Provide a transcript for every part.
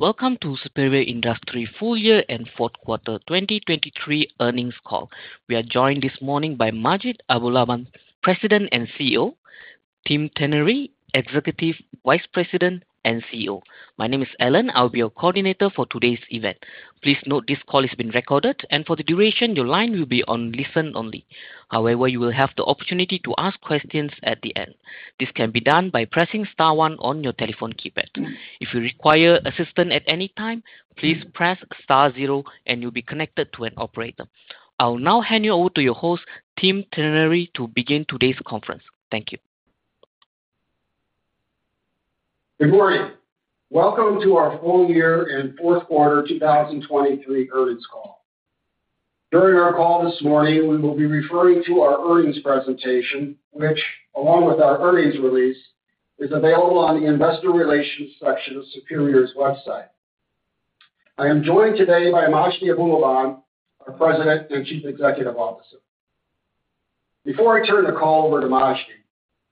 Welcome to Superior Industries Full Year and Fourth Quarter 2023 Earnings Call. We are joined this morning by Majdi Abulaban, President and CEO, Tim Trenary, Executive Vice President and CFO. My name is Alan. I'll be your coordinator for today's event. Please note this call is being recorded, and for the duration, your line will be on listen only. However, you will have the opportunity to ask questions at the end. This can be done by pressing star one on your telephone keypad. If you require assistance at any time, please press star zero, and you'll be connected to an operator. I'll now hand you over to your host, Tim Trenary, to begin today's conference. Thank you. Good morning. Welcome to our Full Year and Fourth Quarter 2023 Earnings Call. During our call this morning, we will be referring to our earnings presentation, which, along with our earnings release, is available on the Investor Relations section of Superior's website. I am joined today by Majdi Abulaban, our President and Chief Executive Officer. Before I turn the call over to Majdi,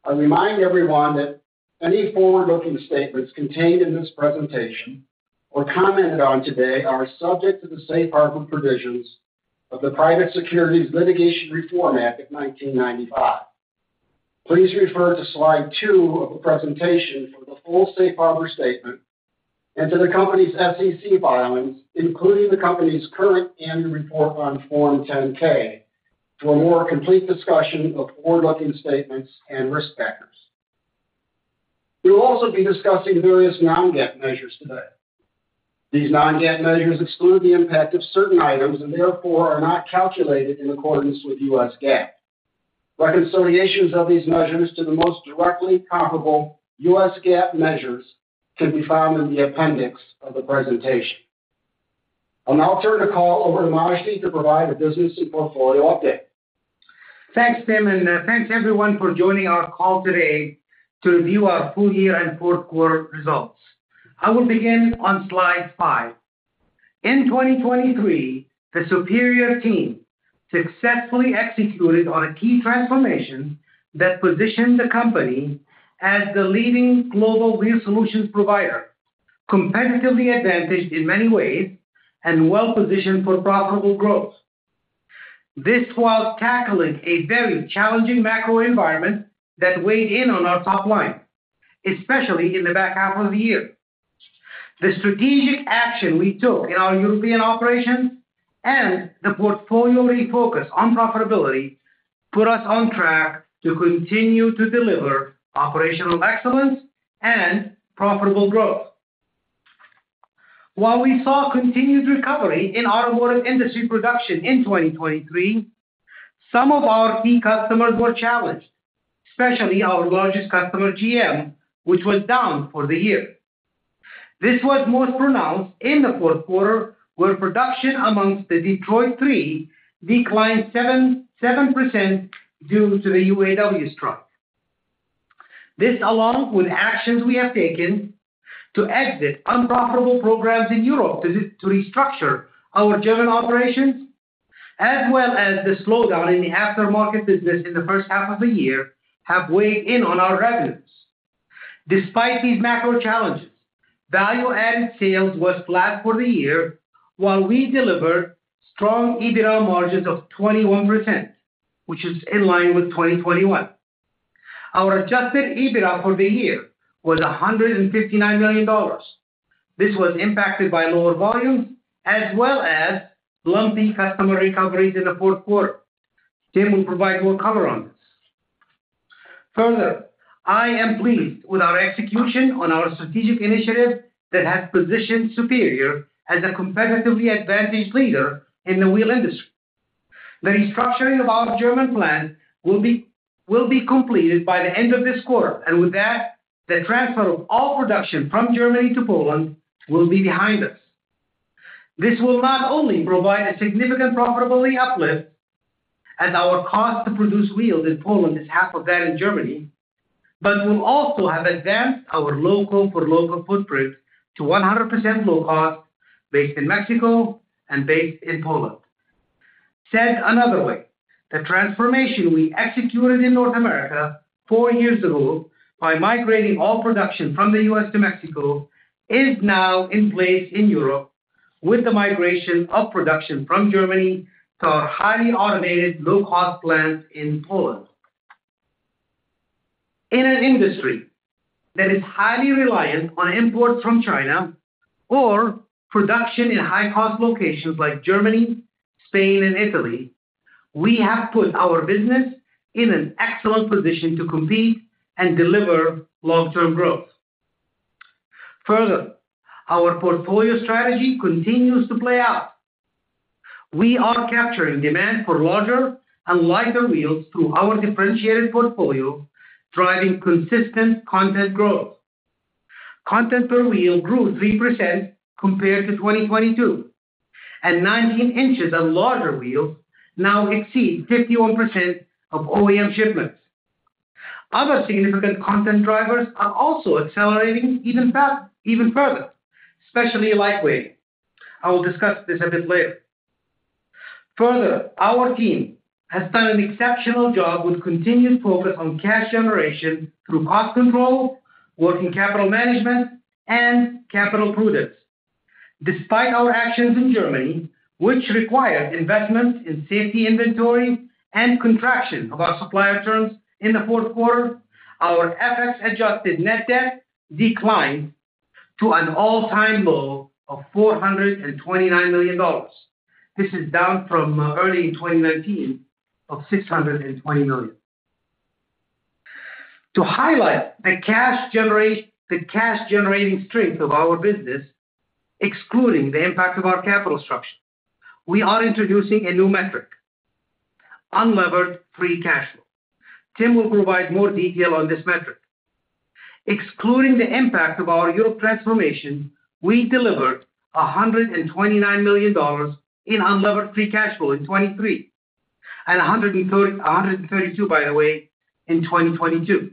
I remind everyone that any forward-looking statements contained in this presentation or commented on today are subject to the Safe Harbor provisions of the Private Securities Litigation Reform Act of 1995. Please refer to slide two of the presentation for the full Safe Harbor statement and to the company's SEC filings, including the company's current annual report on Form 10-K, for a more complete discussion of forward-looking statements and risk factors. We will also be discussing various non-GAAP measures today. These non-GAAP measures exclude the impact of certain items and therefore are not calculated in accordance with US GAAP. Reconciliations of these measures to the most directly comparable US GAAP measures can be found in the appendix of the presentation. I'll now turn the call over to Majdi to provide a business and portfolio update. Thanks, Tim, and thanks everyone for joining our call today to review our full year and fourth quarter results. I will begin on slide five. In 2023, the Superior team successfully executed on a key transformation that positioned the company as the leading global wheel solutions provider, competitively advantaged in many ways, and well-positioned for profitable growth. This was tackling a very challenging macro environment that weighed in on our top line, especially in the back half of the year. The strategic action we took in our European operations and the portfolio refocus on profitability put us on track to continue to deliver operational excellence and profitable growth. While we saw continued recovery in automotive industry production in 2023, some of our key customers were challenged, especially our largest customer, GM, which was down for the year. This was most pronounced in the fourth quarter, where production among the Detroit 3 declined 7% due to the UAW strike. This, along with actions we have taken to exit unprofitable programs in Europe to restructure our German operations, as well as the slowdown in the aftermarket business in the first half of the year, have weighed in on our revenues. Despite these macro challenges, value-added sales were flat for the year, while we delivered strong EBITDA margins of 21%, which is in line with 2021. Our adjusted EBITDA for the year was $159 million. This was impacted by lower volumes as well as lumpy customer recoveries in the fourth quarter. Tim will provide more color on this. Further, I am pleased with our execution on our strategic initiative that has positioned Superior as a competitively advantaged leader in the wheel industry. The restructuring of our German plant will be completed by the end of this quarter, and with that, the transfer of all production from Germany to Poland will be behind us. This will not only provide a significant profitability uplift, as our cost to produce wheels in Poland is half of that in Germany, but will also have advanced our local-for-local footprint to 100% low cost based in Mexico and based in Poland. Said another way, the transformation we executed in North America four years ago by migrating all production from the U.S. to Mexico is now in place in Europe with the migration of production from Germany to our highly automated, low-cost plants in Poland. In an industry that is highly reliant on imports from China or production in high-cost locations like Germany, Spain, and Italy, we have put our business in an excellent position to compete and deliver long-term growth. Further, our portfolio strategy continues to play out. We are capturing demand for larger and lighter wheels through our differentiated portfolio, driving consistent content growth. Content per wheel grew 3% compared to 2022, and 19-inch and larger wheels now exceed 51% of OEM shipments. Other significant content drivers are also accelerating even further, especially lightweight. I will discuss this a bit later. Further, our team has done an exceptional job with continued focus on cash generation through cost control, working capital management, and capital prudence. Despite our actions in Germany, which required investments in safety inventory and contraction of our supplier terms in the fourth quarter, our FX-adjusted net debt declined to an all-time low of $429 million. This is down from early in 2019 of $620 million. To highlight the cash-generating strength of our business, excluding the impact of our capital structure, we are introducing a new metric: unlevered free cash flow. Tim will provide more detail on this metric. Excluding the impact of our Europe transformation, we delivered $129 million in unlevered free cash flow in 2023 and $132, by the way, in 2022.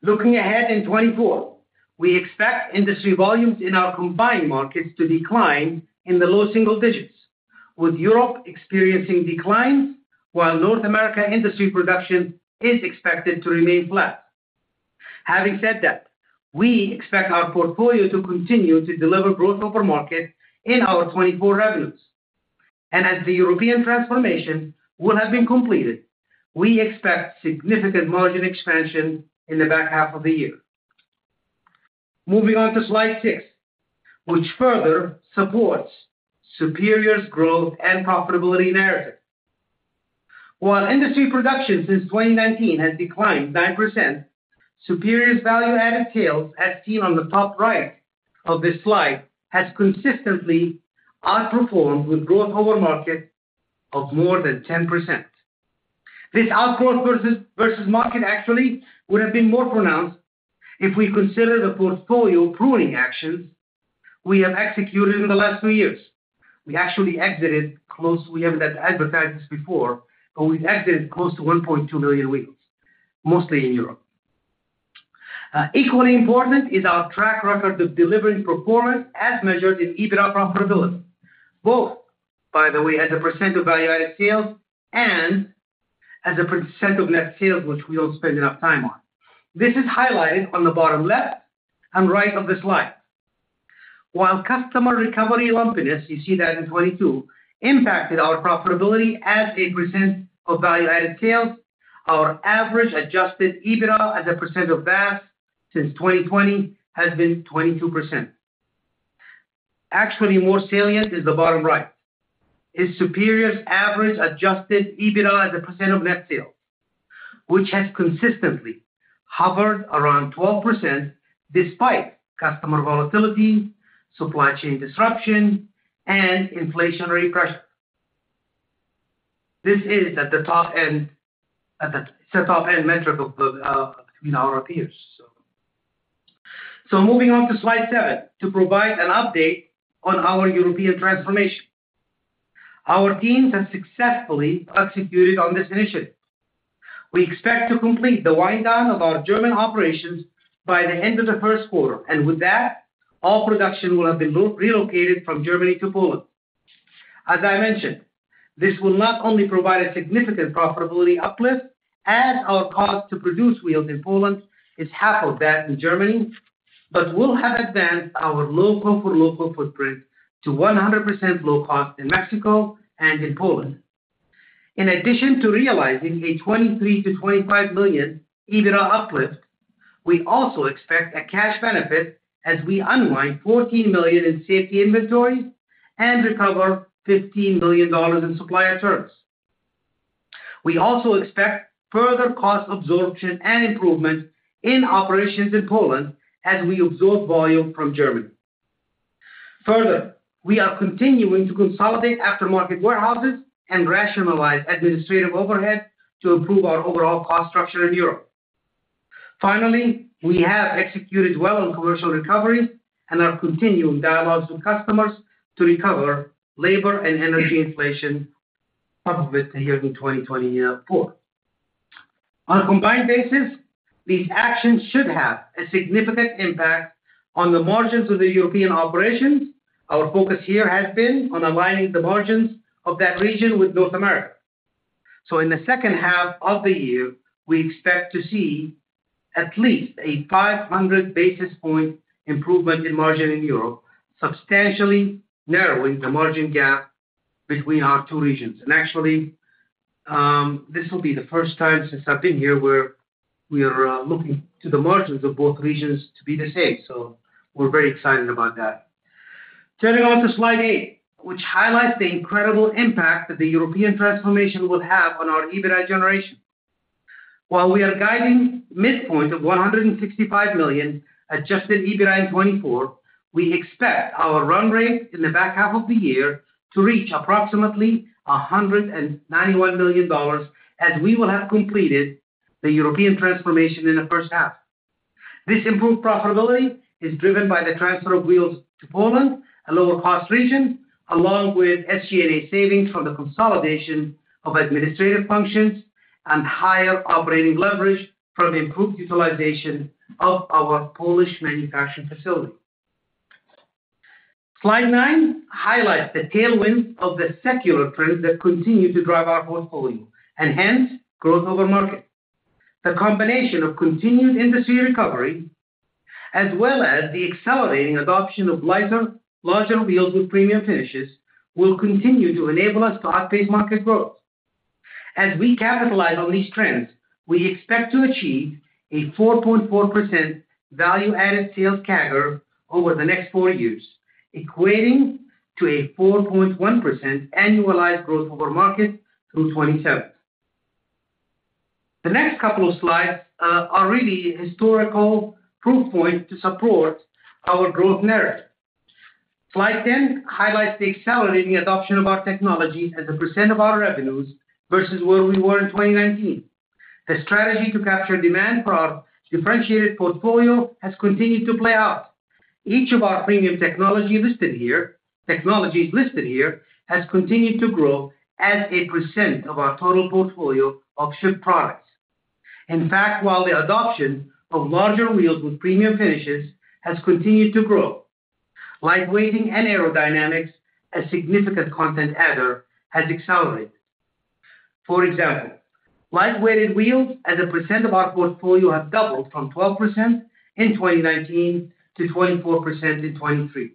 Looking ahead in 2024, we expect industry volumes in our combined markets to decline in the low single digits, with Europe experiencing declines while North America industry production is expected to remain flat. Having said that, we expect our portfolio to continue to deliver growth over market in our 2024 revenues. As the European transformation will have been completed, we expect significant margin expansion in the back half of the year. Moving on to slide six, which further supports Superior's growth and profitability narrative. While industry production since 2019 has declined 9%, Superior's value-added sales, as seen on the top right of this slide, have consistently outperformed with growth over market of more than 10%. This outgrowth versus market actually would have been more pronounced if we consider the portfolio pruning actions we have executed in the last two years. We actually haven't advertised this before, but we've exited close to 1.2 million wheels, mostly in Europe. Equally important is our track record of delivering performance as measured in EBITDA profitability, both, by the way, as a percent of value-added sales and as a percent of net sales, which we don't spend enough time on. This is highlighted on the bottom left and right of the slide. While customer recovery lumpiness, you see that in 2022, impacted our profitability as a percent of value-added sales, our average adjusted EBITDA as a percent of VAS since 2020 has been 22%. Actually, more salient is the bottom right: Superior's average adjusted EBITDA as a percent of net sales, which has consistently hovered around 12% despite customer volatility, supply chain disruption, and inflationary pressure. This is at the top end. It's a top-end metric between our peers, so. So moving on to slide seven to provide an update on our European transformation. Our teams have successfully executed on this initiative. We expect to complete the wind-down of our German operations by the end of the first quarter, and with that, all production will have been relocated from Germany to Poland. As I mentioned, this will not only provide a significant profitability uplift as our cost to produce wheels in Poland is half of that in Germany, but will have advanced our local-for-local footprint to 100% low cost in Mexico and in Poland. In addition to realizing a $23 million-$25 million EBITDA uplift, we also expect a cash benefit as we unwind $14 million in safety inventories and recover $15 million in supplier terms. We also expect further cost absorption and improvement in operations in Poland as we absorb volume from Germany. Further, we are continuing to consolidate aftermarket warehouses and rationalize administrative overhead to improve our overall cost structure in Europe. Finally, we have executed well on commercial recovery and are continuing dialogues with customers to recover labor and energy inflation above it here in 2024. On a combined basis, these actions should have a significant impact on the margins of the European operations. Our focus here has been on aligning the margins of that region with North America. So in the second half of the year, we expect to see at least a 500 basis point improvement in margin in Europe, substantially narrowing the margin gap between our two regions. And actually, this will be the first time since I've been here where we are looking to the margins of both regions to be the same. So we're very excited about that. Turning to slide eight, which highlights the incredible impact that the European transformation will have on our EBITDA generation. While we are guiding midpoint of $165 million Adjusted EBITDA in 2024, we expect our run rate in the back half of the year to reach approximately $191 million as we will have completed the European transformation in the first half. This improved profitability is driven by the transfer of wheels to Poland, a lower-cost region, along with SG&A savings from the consolidation of administrative functions and higher operating leverage from improved utilization of our Polish manufacturing facility. Slide nine highlights the tailwinds of the secular trends that continue to drive our portfolio and hence growth over market. The combination of continued industry recovery as well as the accelerating adoption of lighter, larger wheels with premium finishes will continue to enable us to outpace market growth. As we capitalize on these trends, we expect to achieve a 4.4% value-added sales CAGR over the next four years, equating to a 4.1% annualized growth over market through 2027. The next couple of slides are really historical proof point to support our growth narrative. Slide 10 highlights the accelerating adoption of our technologies as a percent of our revenues versus where we were in 2019. The strategy to capture demand for our differentiated portfolio has continued to play out. Each of our premium technologies listed here has continued to grow as a percent of our total portfolio of shipped products. In fact, while the adoption of larger wheels with premium finishes has continued to grow, lightweighting and aerodynamics, a significant content adder, has accelerated. For example, lightweight wheels as a percent of our portfolio have doubled from 12% in 2019 to 24% in 2023.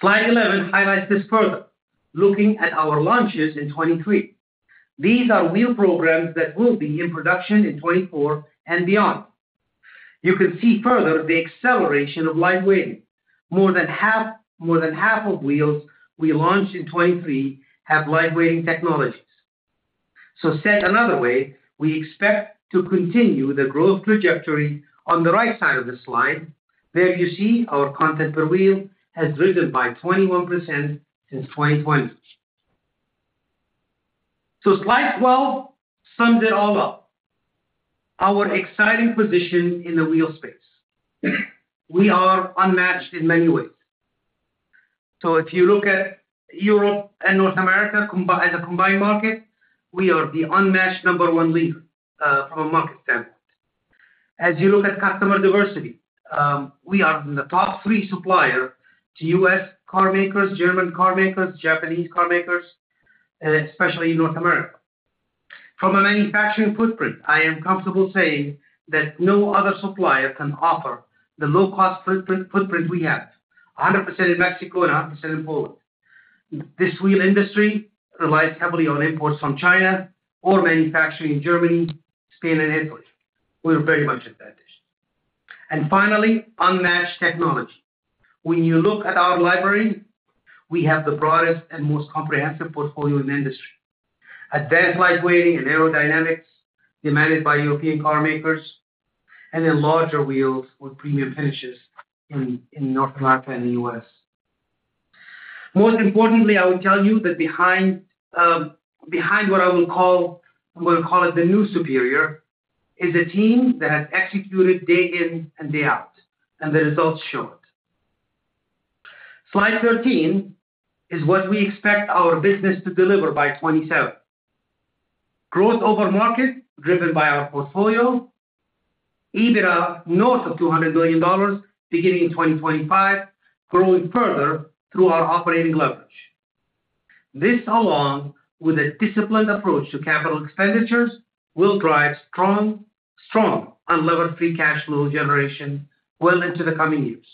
Slide 11 highlights this further, looking at our launches in 2023. These are wheel programs that will be in production in 2024 and beyond. You can see further the acceleration of lightweighting. More than half more than half of wheels we launched in 2023 have lightweighting technologies. So said another way, we expect to continue the growth trajectory on the right side of this slide, where you see our content per wheel has risen by 21% since 2020. So slide 12 sums it all up: our exciting position in the wheel space. We are unmatched in many ways. So if you look at Europe and North America as a combined market, we are the unmatched number one leader from a market standpoint. As you look at customer diversity, we are in the top three supplier to U.S. carmakers, German carmakers, Japanese carmakers, especially in North America. From a manufacturing footprint, I am comfortable saying that no other supplier can offer the low-cost footprint we have, 100% in Mexico and 100% in Poland. This wheel industry relies heavily on imports from China or manufacturing in Germany, Spain, and Italy. We are very much advantaged. Finally, unmatched technology. When you look at our library, we have the broadest and most comprehensive portfolio in the industry: advanced lightweighting and aerodynamics demanded by European carmakers, and then larger wheels with premium finishes in North America and the U.S. Most importantly, I will tell you that behind what I will call the new Superior is a team that has executed day in and day out, and the results show it. Slide 13 is what we expect our business to deliver by 2027: growth over market driven by our portfolio, EBITDA north of $200 million beginning in 2025, growing further through our operating leverage. This, along with a disciplined approach to capital expenditures, will drive strong, strong unlevered free cash flow generation well into the coming years.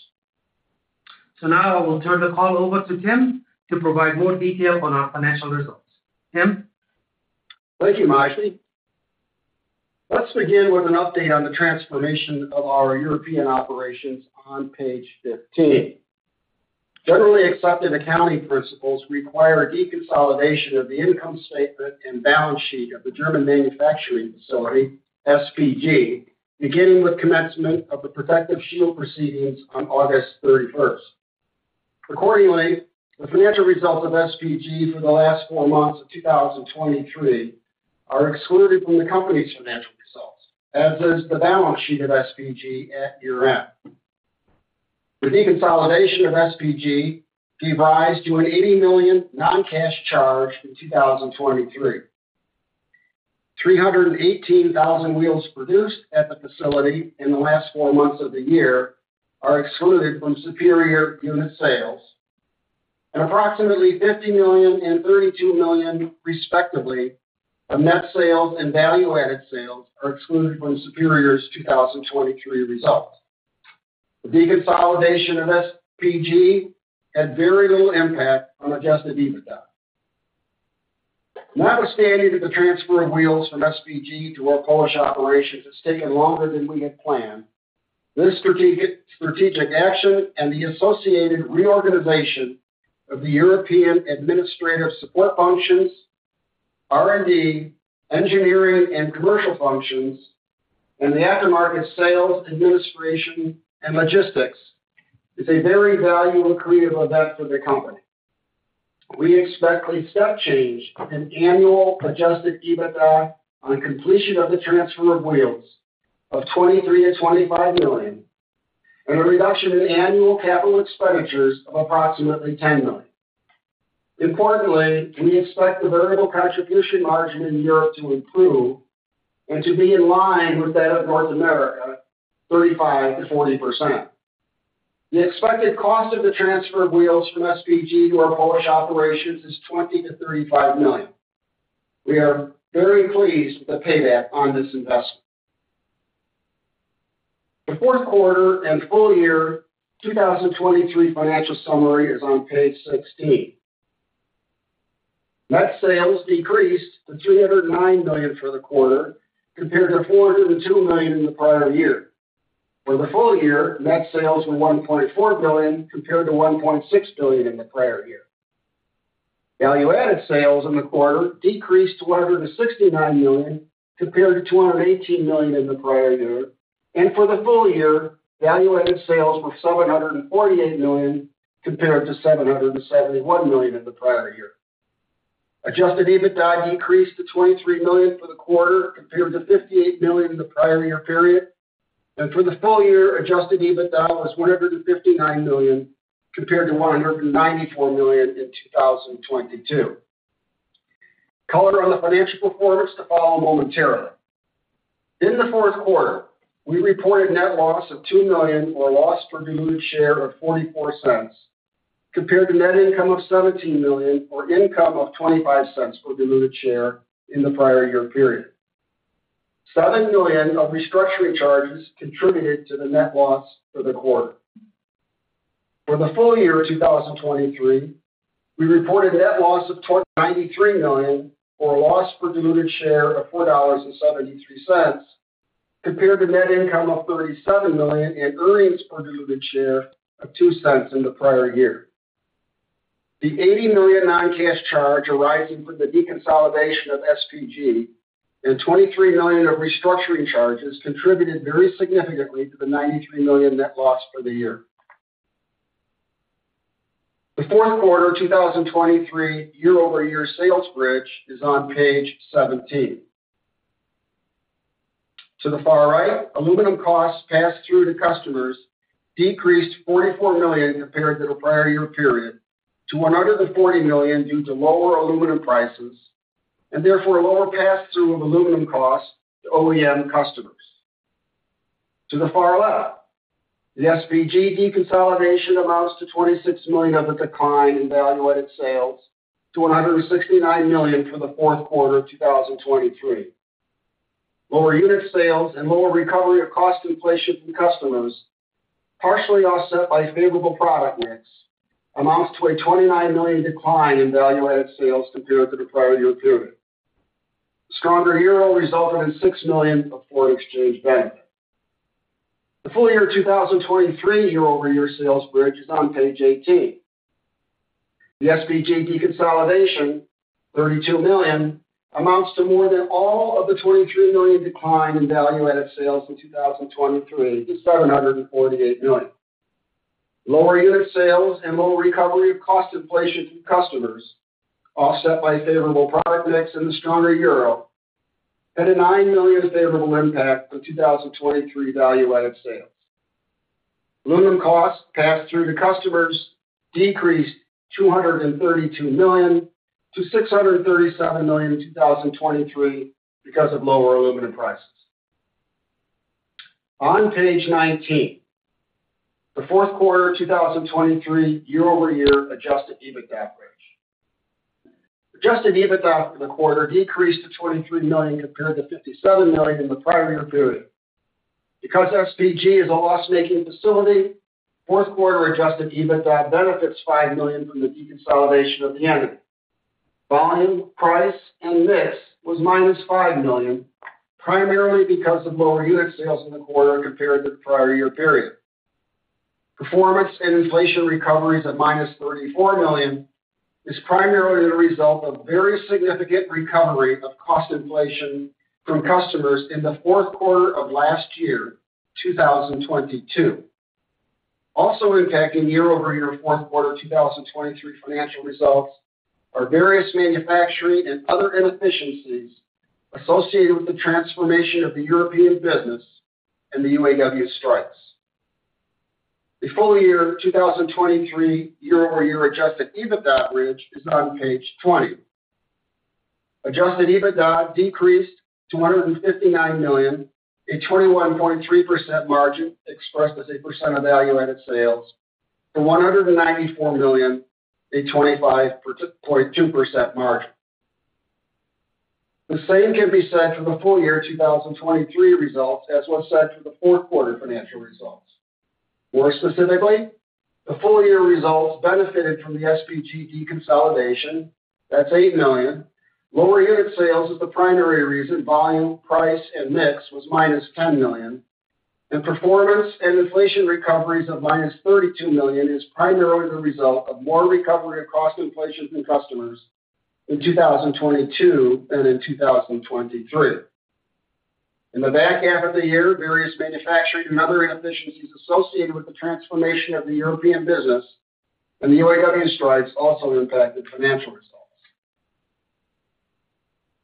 So now I will turn the call over to Tim to provide more detail on our financial results. Tim? Thank you, Majdi. Let's begin with an update on the transformation of our European operations on page 15. Generally accepted accounting principles require a deconsolidation of the income statement and balance sheet of the German manufacturing facility, SPG, beginning with commencement of the protective shield proceedings on August 31st. Accordingly, the financial results of SPG for the last four months of 2023 are excluded from the company's financial results, as is the balance sheet of SPG at year-end. The deconsolidation of SPG gave rise to a $80 million non-cash charge in 2023. 318,000 wheels produced at the facility in the last four months of the year are excluded from Superior unit sales, and approximately $50 million and $32 million, respectively, of net sales and value-added sales are excluded from Superior's 2023 results. The deconsolidation of SPG had very little impact on Adjusted EBITDA. Notwithstanding that the transfer of wheels from SPG to our Polish operations has taken longer than we had planned, this strategic action and the associated reorganization of the European administrative support functions, R&D, engineering, and commercial functions, and the aftermarket sales, administration, and logistics is a very valuable creative event for the company. We expect a step change in annual adjusted EBITDA on completion of the transfer of wheels of $23 million-$25 million and a reduction in annual capital expenditures of approximately $10 million. Importantly, we expect the variable contribution margin in Europe to improve and to be in line with that of North America, 35%-40%. The expected cost of the transfer of wheels from SPG to our Polish operations is $20 million-$35 million. We are very pleased with the payback on this investment. The fourth quarter and full year 2023 financial summary is on page 16. Net sales decreased to $309 million for the quarter compared to $402 million in the prior year. The full year net sales were $1.4 billion compared to $1.6 billion in the prior year. Value-Added Sales in the quarter decreased to $169 million compared to $218 million in the prior year, and for the full year, Value-Added Sales were $748 million compared to $771 million in the prior year. Adjusted EBITDA decreased to $23 million for the quarter compared to $58 million in the prior year period, and for the full year, Adjusted EBITDA was $159 million compared to $194 million in 2022. Color on the financial performance to follow momentarily. In the fourth quarter, we reported net loss of $2 million or loss per diluted share of $0.44 compared to net income of $17 million or income of $0.25 per diluted share in the prior year period. $7 million of restructuring charges contributed to the net loss for the quarter. For the full year 2023, we reported net loss of $293 million or loss per diluted share of $4.73 compared to net income of $37 million and earnings per diluted share of $0.02 in the prior year. The $80 million non-cash charge arising from the deconsolidation of SPG and $23 million of restructuring charges contributed very significantly to the $93 million net loss for the year. The fourth quarter 2023 year-over-year sales bridge is on page 17. To the far right, aluminum costs passed through to customers decreased $44 million compared to the prior year period to $140 million due to lower aluminum prices and therefore a lower pass-through of aluminum costs to OEM customers. To the far left, the SPG deconsolidation amounts to $26 million of the decline in value-added sales to $169 million for the fourth quarter 2023. Lower unit sales and lower recovery of cost inflation from customers, partially offset by favorable product mix, amounts to a $29 million decline in value-added sales compared to the prior year period. A stronger euro resulted in $6 million of foreign exchange benefit. The full year 2023 year-over-year sales bridge is on page 18. The SPG deconsolidation, $32 million, amounts to more than all of the $23 million decline in value-added sales in 2023 to $748 million. Lower unit sales and lower recovery of cost inflation from customers, offset by favorable product mix and the stronger euro, had a $9 million favorable impact on 2023 value-added sales. Aluminum costs passed through to customers decreased $232 million to $637 million in 2023 because of lower aluminum prices. On page 19, the fourth quarter 2023 year-over-year Adjusted EBITDA average. Adjusted EBITDA for the quarter decreased to $23 million compared to $57 million in the prior year period. Because SPG is a loss-making facility, fourth quarter adjusted EBITDA benefits $5 million from the deconsolidation of the entity. Volume, price, and mix was -$5 million, primarily because of lower unit sales in the quarter compared to the prior year period. Performance and inflation recoveries at -$34 million is primarily the result of very significant recovery of cost inflation from customers in the fourth quarter of last year, 2022. Also impacting year-over-year fourth quarter 2023 financial results are various manufacturing and other inefficiencies associated with the transformation of the European business and the UAW strikes. The full year 2023 year-over-year adjusted EBITDA bridge is on page 20. Adjusted EBITDA decreased to $159 million, a 21.3% margin expressed as a percent of value-added sales, to $194 million, a 25.2% margin. The same can be said for the full year 2023 results as was said for the fourth quarter financial results. More specifically, the full year results benefited from the SPG deconsolidation. That's $8 million. Lower unit sales is the primary reason. Volume, price, and mix was -$10 million. Performance and inflation recoveries of -$32 million is primarily the result of more recovery of cost inflation from customers in 2022 than in 2023. In the back half of the year, various manufacturing and other inefficiencies associated with the transformation of the European business and the UAW strikes also impacted financial results.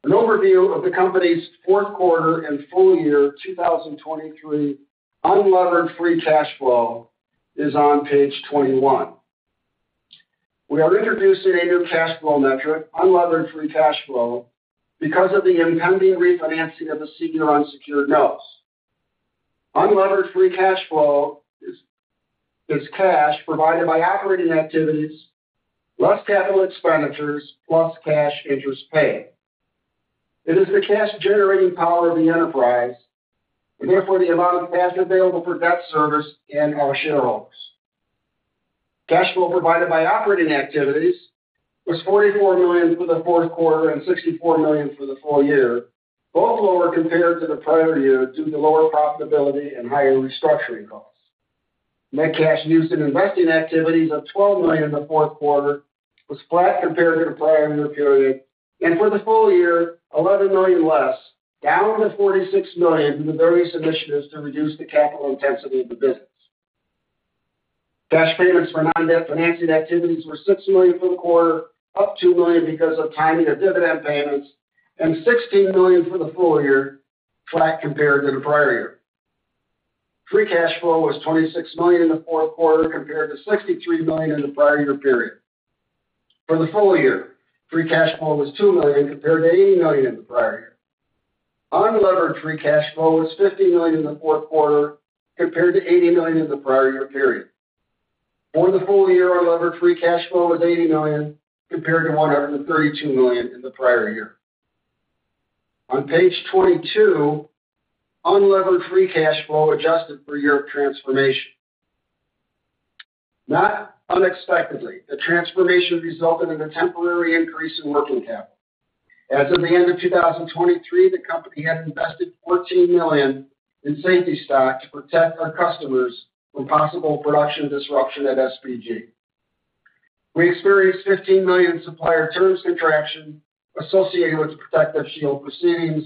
An overview of the company's fourth quarter and full year 2023 unlevered free cash flow is on page 21. We are introducing a new cash flow metric, unlevered free cash flow, because of the impending refinancing of the senior unsecured notes. Unlevered free cash flow is cash provided by operating activities, less capital expenditures, plus cash interest paid. It is the cash-generating power of the enterprise and therefore the amount of cash available for debt service and our shareholders. Cash flow provided by operating activities was $44 million for the fourth quarter and $64 million for the full year, both lower compared to the prior year due to lower profitability and higher restructuring costs. Net cash used in investing activities of $12 million the fourth quarter was flat compared to the prior year period and for the full year, $11 million less, down to $46 million through the various initiatives to reduce the capital intensity of the business. Cash payments for non-debt financing activities were $6 million for the quarter, up $2 million because of timing of dividend payments, and $16 million for the full year, flat compared to the prior year. Free cash flow was $26 million in the fourth quarter compared to $63 million in the prior year period. For the full year, free cash flow was $2 million compared to $80 million in the prior year. Unlevered free cash flow was $50 million in the fourth quarter compared to $80 million in the prior year period. For the full year, unlevered free cash flow was $80 million compared to $132 million in the prior year. On page 22, unlevered free cash flow adjusted for Europe transformation. Not unexpectedly, the transformation resulted in a temporary increase in working capital. As of the end of 2023, the company had invested $14 million in safety stock to protect our customers from possible production disruption at SPG. We experienced $15 million supplier terms contraction associated with the protective shield proceedings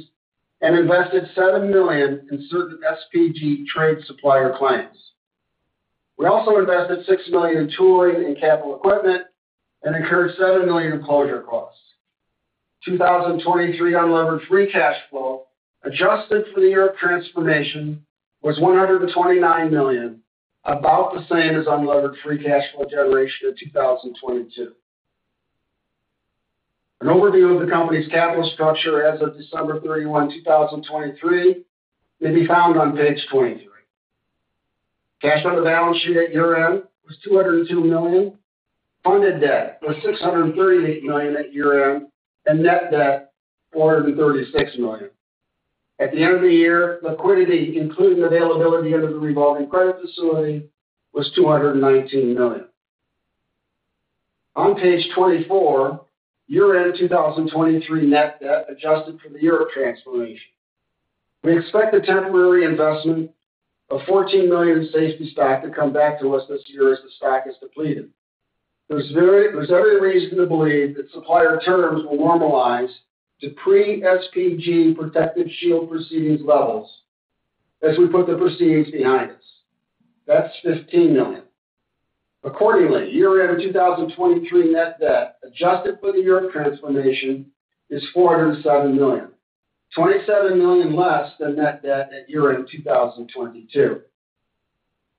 and invested $7 million in certain SPG trade supplier clients. We also invested $6 million in tooling and capital equipment and incurred $7 million in closure costs. 2023 unlevered free cash flow adjusted for the Europe transformation was $129 million, about the same as unlevered free cash flow generation in 2022. An overview of the company's capital structure as of December 31, 2023, may be found on page 23. Cash on the balance sheet at year-end was $202 million. Funded debt was $638 million at year-end and net debt $436 million. At the end of the year, liquidity, including availability under the revolving credit facility, was $219 million. On page 24, year-end 2023 net debt adjusted for the Europe transformation. We expect a temporary investment of $14 million in safety stock to come back to us this year as the stock is depleted. There's every reason to believe that supplier terms will normalize to pre-SPG protective shield proceedings levels as we put the proceeds behind us. That's $15 million. Accordingly, year-end 2023 net debt adjusted for the Europe transformation is $407 million, $27 million less than net debt at year-end 2022.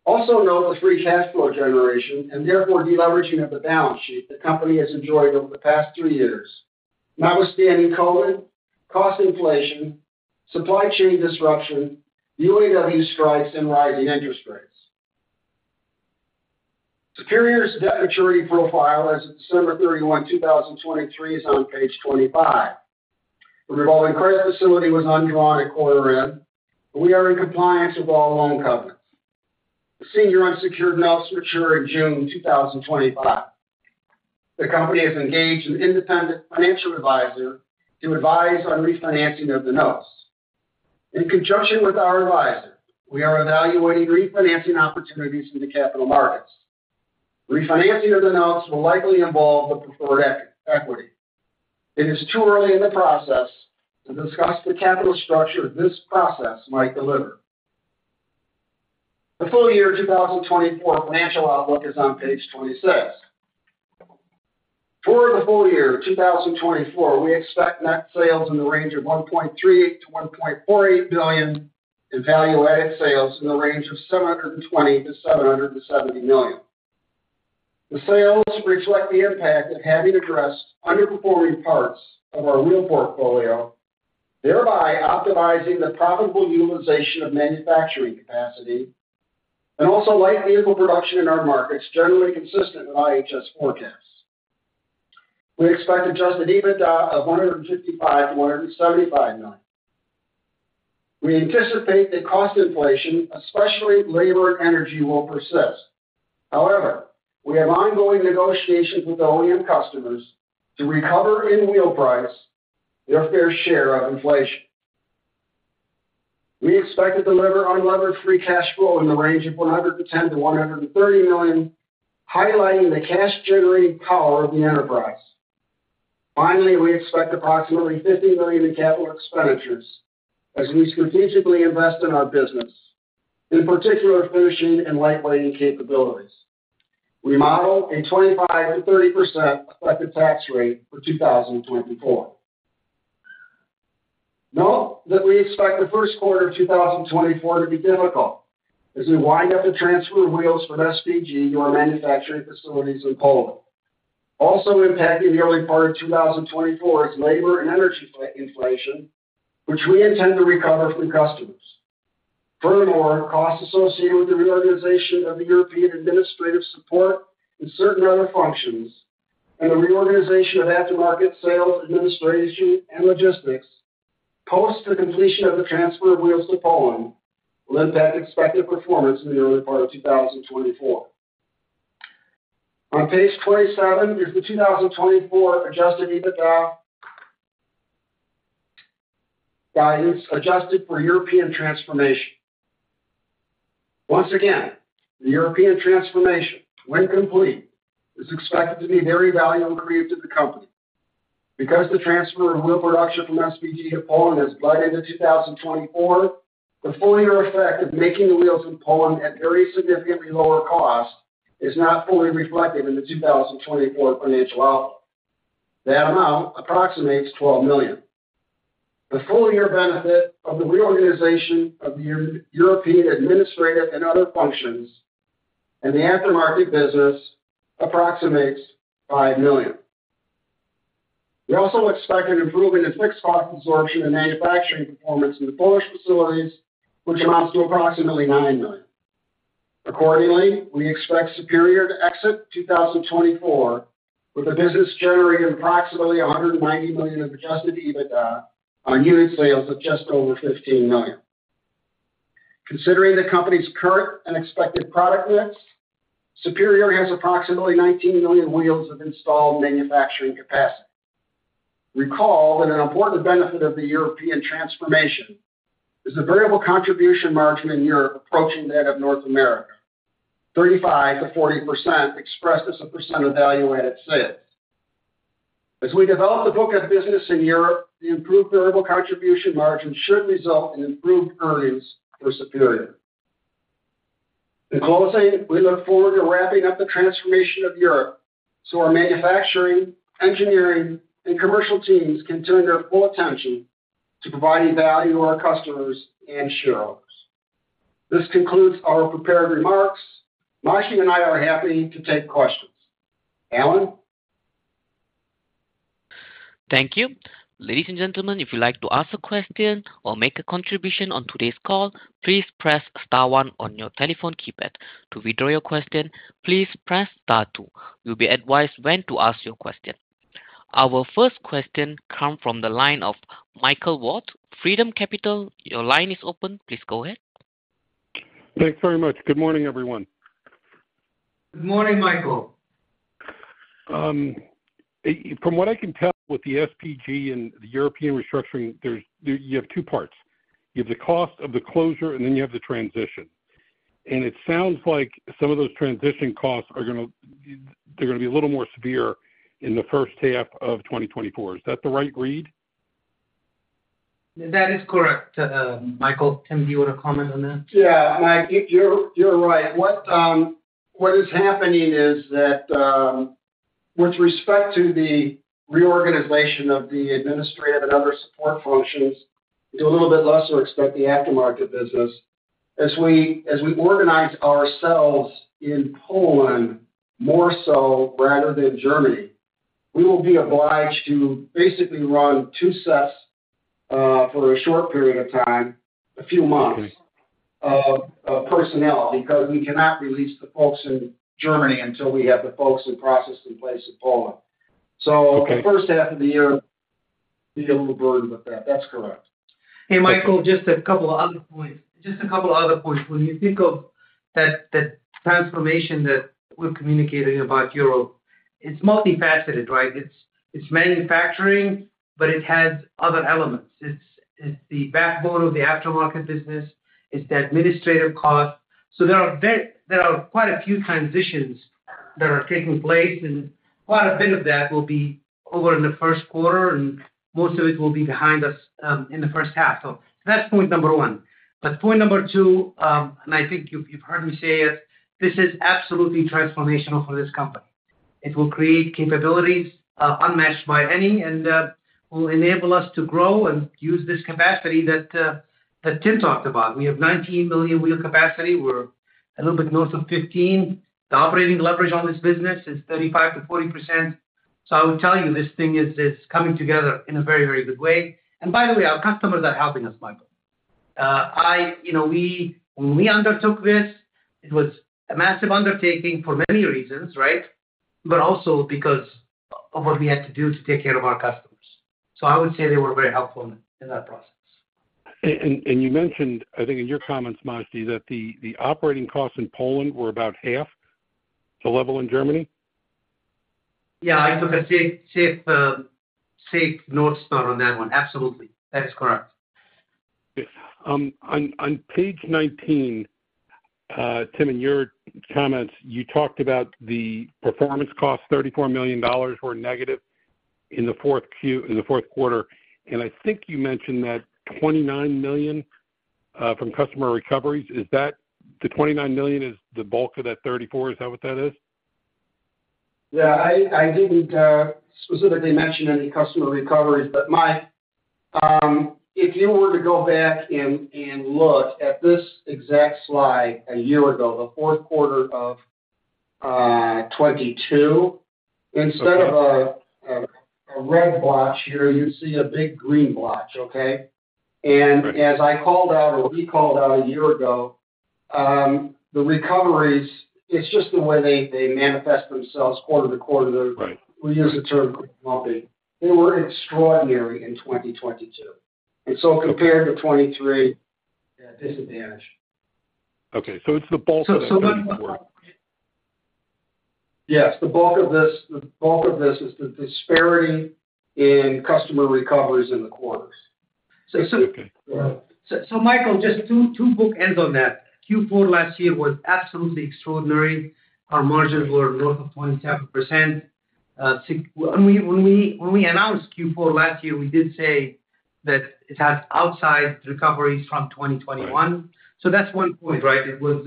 Also note the free cash flow generation and therefore deleveraging of the balance sheet the company has enjoyed over the past three years, notwithstanding COVID, cost inflation, supply chain disruption, UAW strikes, and rising interest rates. Superior's debt maturity profile as of December 31, 2023, is on page 25. The revolving credit facility was undrawn at quarter end, but we are in compliance with all loan covenants. The senior unsecured notes mature in June 2025. The company has engaged an independent financial advisor to advise on refinancing of the notes. In conjunction with our advisor, we are evaluating refinancing opportunities in the capital markets. Refinancing of the notes will likely involve the preferred equity. It is too early in the process to discuss the capital structure this process might deliver. The full year 2024 financial outlook is on page 26. For the full year 2024, we expect net sales in the range of $1.38 billion-$1.48 billion and value-added sales in the range of $720 million-$770 million. The sales reflect the impact of having addressed underperforming parts of our wheel portfolio, thereby optimizing the profitable utilization of manufacturing capacity and also light vehicle production in our markets, generally consistent with IHS Forecasts. We expect Adjusted EBITDA of $155 million-$175 million. We anticipate that cost inflation, especially labor and energy, will persist. However, we have ongoing negotiations with OEM customers to recover in wheel price their fair share of inflation. We expect to deliver unlevered free cash flow in the range of $110 million-$130 million, highlighting the cash-generating power of the enterprise. Finally, we expect approximately $50 million in capital expenditures as we strategically invest in our business, in particular finishing and lightweighting capabilities. We model a 25%-30% effective tax rate for 2024. Note that we expect the first quarter of 2024 to be difficult as we wind up to transfer wheels from SPG to our manufacturing facilities in Poland. Also impacting the early part of 2024 is labor and energy inflation, which we intend to recover from customers. Furthermore, costs associated with the reorganization of the European administrative support and certain other functions and the reorganization of aftermarket sales, administration, and logistics post the completion of the transfer of wheels to Poland will impact expected performance in the early part of 2024. On page 27 is the 2024 Adjusted EBITDA guidance adjusted for European transformation. Once again, the European transformation, when complete, is expected to be very value-creative to the company. Because the transfer of wheel production from SPG to Poland has bled into 2024, the full-year effect of making the wheels in Poland at very significantly lower cost is not fully reflective in the 2024 financial outlook. That amount approximates $12 million. The full-year benefit of the reorganization of the European administrative and other functions and the aftermarket business approximates $5 million. We also expect an improvement in fixed cost absorption and manufacturing performance in the Polish facilities, which amounts to approximately $9 million. Accordingly, we expect Superior to exit 2024 with a business generating approximately $190 million of Adjusted EBITDA on unit sales of just over 15 million. Considering the company's current and expected product mix, Superior has approximately 19 million wheels of installed manufacturing capacity. Recall that an important benefit of the European transformation is the variable contribution margin in Europe approaching that of North America, 35%-40% expressed as a percent of value-added sales. As we develop the book of business in Europe, the improved variable contribution margin should result in improved earnings for Superior. In closing, we look forward to wrapping up the transformation of Europe so our manufacturing, engineering, and commercial teams can turn their full attention to providing value to our customers and shareholders. This concludes our prepared remarks. Majdi and I are happy to take questions. Alan? Thank you. Ladies and gentlemen, if you'd like to ask a question or make a contribution on today's call, please press star 1 on your telephone keypad. To withdraw your question, please press star 2. You'll be advised when to ask your question. Our first question comes from the line of Michael Ward, Freedom Capital. Your line is open. Please go ahead. Thanks very much. Good morning, everyone. Good morning, Michael. From what I can tell with the SPG and the European restructuring, you have two parts. You have the cost of the closure, and then you have the transition. It sounds like some of those transition costs are going to be a little more severe in the first half of 2024. Is that the right read? That is correct, Michael. Tim, do you want to comment on that? Yeah, Mike, you're right. What is happening is that with respect to the reorganization of the administrative and other support functions, we do a little bit less or expect the aftermarket business. As we organize ourselves in Poland more so rather than Germany, we will be obliged to basically run two sets for a short period of time, a few months, of personnel because we cannot release the folks in Germany until we have the folks and process in place in Poland. So the first half of the year will be a little burdened with that. That's correct. Hey, Michael, just a couple of other points. Just a couple of other points. When you think of that transformation that we're communicating about Europe, it's multifaceted, right? It's manufacturing, but it has other elements. It's the backbone of the aftermarket business. It's the administrative cost. So there are quite a few transitions that are taking place, and quite a bit of that will be over in the first quarter, and most of it will be behind us in the first half. So that's point number one. But point number two, and I think you've heard me say it, this is absolutely transformational for this company. It will create capabilities unmatched by any and will enable us to grow and use this capacity that Tim talked about. We have 19 million wheel capacity. We're a little bit north of 15. The operating leverage on this business is 35%-40%. So I would tell you, this thing is coming together in a very, very good way. And by the way, our customers are helping us, Michael. When we undertook this, it was a massive undertaking for many reasons, right, but also because of what we had to do to take care of our customers. So I would say they were very helpful in that process. You mentioned, I think in your comments, Majdi, that the operating costs in Poland were about half the level in Germany? Yeah, I took a safe harbor statement on that one. Absolutely. That is correct. On page 19, Tim, in your comments, you talked about the performance costs. $34 million were negative in the fourth quarter. I think you mentioned that $29 million from customer recoveries. The $29 million is the bulk of that $34 million. Is that what that is? Yeah, I didn't specifically mention any customer recoveries, but Mike, if you were to go back and look at this exact slide a year ago, the fourth quarter of 2022, instead of a red blotch here, you'd see a big green blotch, okay? And as I called out or recalled out a year ago, the recoveries, it's just the way they manifest themselves quarter-to-quarter. We use the term green lumpy. They were extraordinary in 2022. And so compared to 2023, disadvantage. Okay. So it's the bulk of that 34. Yes. The bulk of this is the disparity in customer recoveries in the quarters. Okay. So Michael, just two bookends on that. Q4 last year was absolutely extraordinary. Our margins were north of 27%. When we announced Q4 last year, we did say that it has outside recoveries from 2021. So that's one point, right? It was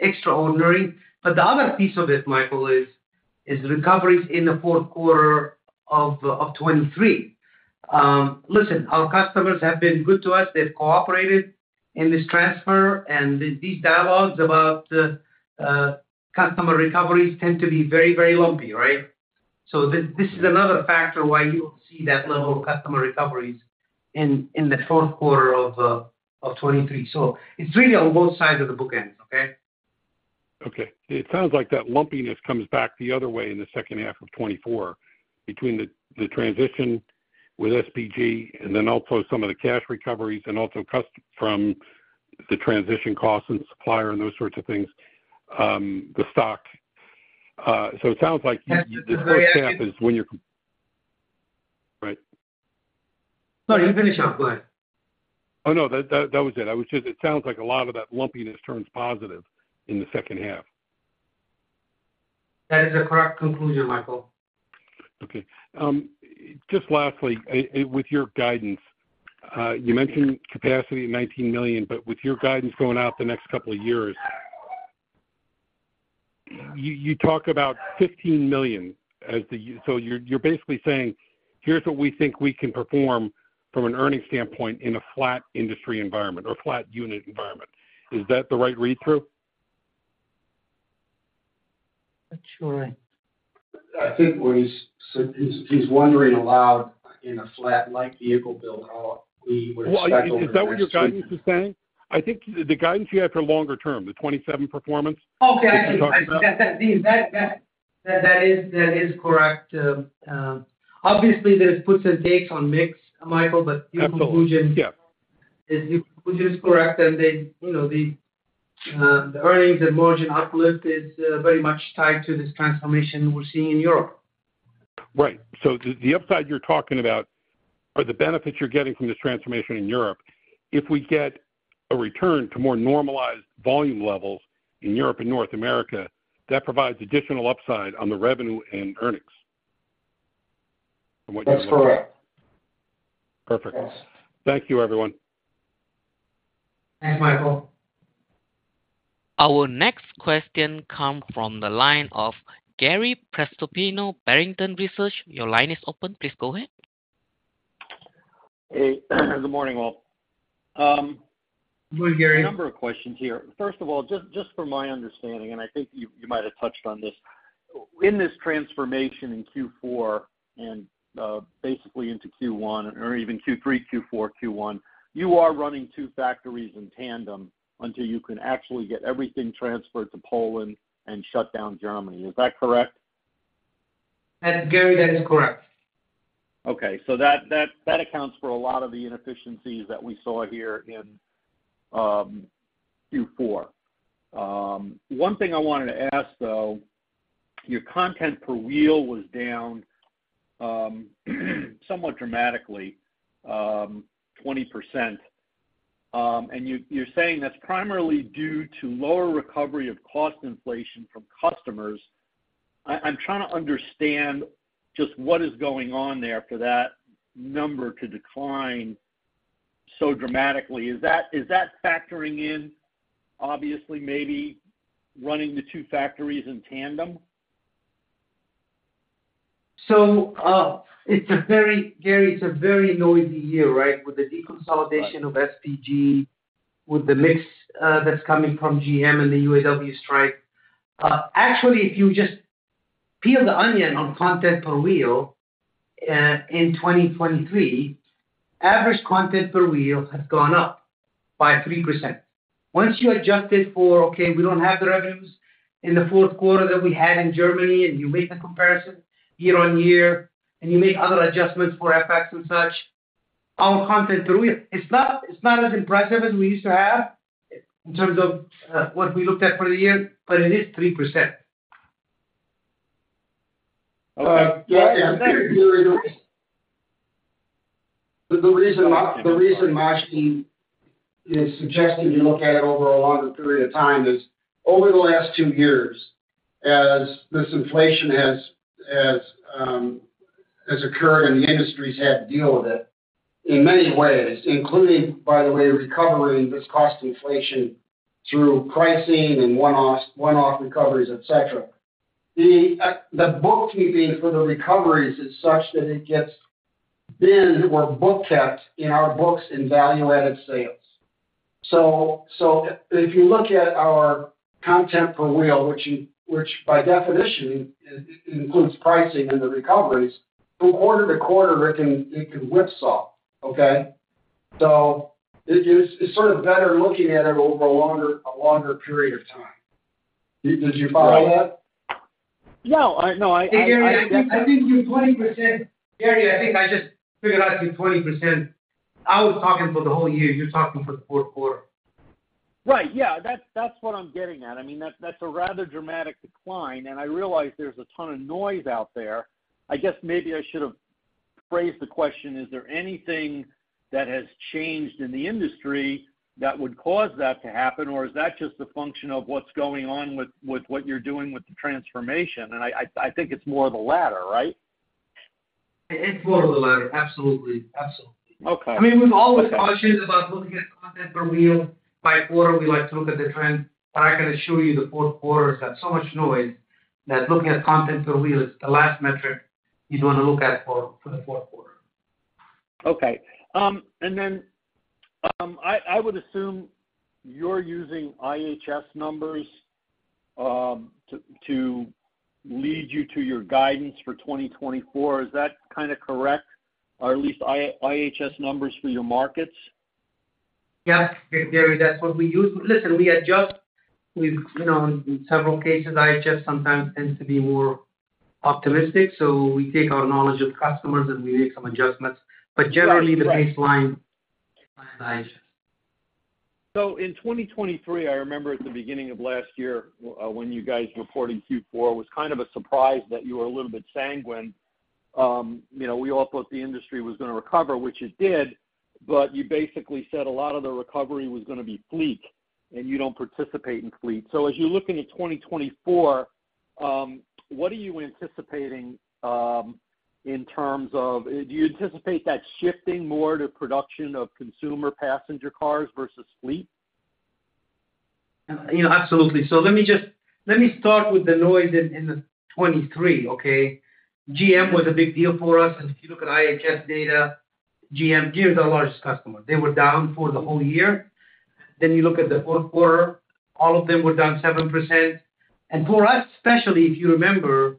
extraordinary. But the other piece of it, Michael, is recoveries in the fourth quarter of 2023. Listen, our customers have been good to us. They've cooperated in this transfer. And these dialogues about customer recoveries tend to be very, very lumpy, right? So this is another factor why you will see that level of customer recoveries in the fourth quarter of 2023. So it's really on both sides of the bookends, okay? Okay. It sounds like that lumpiness comes back the other way in the second half of 2024 between the transition with SPG and then also some of the cash recoveries and also from the transition costs and supplier and those sorts of things, the stock. So it sounds like the first half is when you're right. Sorry, you finish up. Go ahead. Oh, no. That was it. It sounds like a lot of that lumpiness turns positive in the second half. That is a correct conclusion, Michael. Okay. Just lastly, with your guidance, you mentioned capacity at 19 million, but with your guidance going out the next couple of years, you talk about 15 million as the so you're basically saying, "Here's what we think we can perform from an earnings standpoint in a flat industry environment or flat unit environment." Is that the right read-through? That's correct. I think what he's wondering aloud in a flat light vehicle build, how we would expect over the long term. Is that what your guidance is saying? I think the guidance you have for longer term, the 27 performance, is what you're talking about. Okay. I think that is correct. Obviously, there's puts and takes on mix, Michael, but your conclusion is correct. The earnings and margin uplift is very much tied to this transformation we're seeing in Europe. Right. So the upside you're talking about are the benefits you're getting from this transformation in Europe. If we get a return to more normalized volume levels in Europe and North America, that provides additional upside on the revenue and earnings from what you're talking about. That's correct. Perfect. Thank you, everyone. Thanks, Michael. Our next question comes from the line of Gary Prestopino, Barrington Research. Your line is open. Please go ahead. Hey. Good morning, all. Good morning, Gary. A number of questions here. First of all, just for my understanding, and I think you might have touched on this, in this transformation in Q4 and basically into Q1 or even Q3, Q4, Q1, you are running two factories in tandem until you can actually get everything transferred to Poland and shut down Germany. Is that correct? Gary, that is correct. Okay. So that accounts for a lot of the inefficiencies that we saw here in Q4. One thing I wanted to ask, though, your content per wheel was down somewhat dramatically, 20%. And you're saying that's primarily due to lower recovery of cost inflation from customers. I'm trying to understand just what is going on there for that number to decline so dramatically. Is that factoring in, obviously, maybe running the two factories in tandem? So Gary, it's a very noisy year, right, with the deconsolidation of SPG, with the mix that's coming from GM and the UAW strike. Actually, if you just peel the onion on content per wheel in 2023, average content per wheel has gone up by 3%. Once you adjusted for, "Okay, we don't have the revenues in the fourth quarter that we had in Germany," and you make the comparison year-on-year, and you make other adjustments for FX and such, our content per wheel, it's not as impressive as we used to have in terms of what we looked at for the year, but it is 3%. Okay. Yeah. I think the reason Majdi is suggesting you look at it over a longer period of time is over the last two years, as this inflation has occurred and the industries had to deal with it in many ways, including, by the way, recovering this cost inflation through pricing and one-off recoveries, etc., the bookkeeping for the recoveries is such that it gets been or book kept in our books in value-added sales. So if you look at our content per wheel, which by definition includes pricing and the recoveries, from quarter-to-quarter, it can whipsaw, okay? So it's sort of better looking at it over a longer period of time. Did you follow that? No. No, I. Hey, Gary, I think you're 20%, Gary. I think I just figured out you're 20%. I was talking for the whole year. You're talking for the fourth quarter. Right. Yeah. That's what I'm getting at. I mean, that's a rather dramatic decline. And I realize there's a ton of noise out there. I guess maybe I should have phrased the question, "Is there anything that has changed in the industry that would cause that to happen, or is that just a function of what's going on with what you're doing with the transformation?" And I think it's more of the latter, right? It's more of the latter. Absolutely. Absolutely. I mean, we've always questioned about looking at content per wheel by quarter. We like to look at the trend. But I can assure you the fourth quarter is got so much noise that looking at content per wheel, it's the last metric you'd want to look at for the fourth quarter. Okay. And then I would assume you're using IHS numbers to lead you to your guidance for 2024. Is that kind of correct, or at least IHS numbers for your markets? Yep, Gary. That's what we use. Listen, we adjust. In several cases, IHS sometimes tends to be more optimistic. So we take our knowledge of customers, and we make some adjustments. But generally, the baseline is IHS. So in 2023, I remember at the beginning of last year when you guys reported Q4, it was kind of a surprise that you were a little bit sanguine. We all thought the industry was going to recover, which it did, but you basically said a lot of the recovery was going to be fleet, and you don't participate in fleet. So as you look into 2024, what are you anticipating in terms of do you anticipate that shifting more to production of consumer passenger cars versus fleet? Absolutely. So let me start with the noise in 2023, okay? GM was a big deal for us. And if you look at IHS data, GM yeah is our largest customer. They were down for the whole year. Then you look at the fourth quarter, all of them were down 7%. And for us, especially, if you remember,